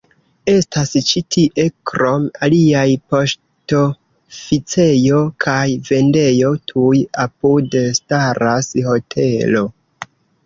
Estas ĉi tie krom aliaj poŝtoficejo kaj vendejo, tuj apude staras hotelo.